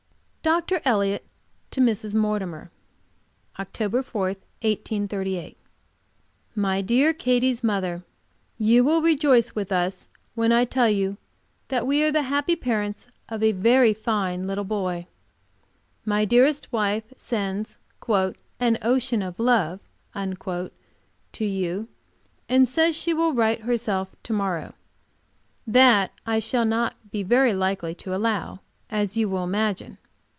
Dr. Elliott to Mrs. Mortimer: OCTOBER 4, 1838. My dear Katy's Mother You will rejoice with us when I tell you that we are the happy parents of a very fine little boy. My dearest wife sends "an ocean of love" to you, and says she will write her self to morrow. That I shall not be very likely to allow, as you will imagine.